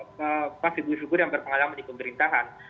itu juga pak fidu syukur yang berpengalaman di pemerintahan